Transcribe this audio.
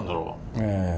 ええ。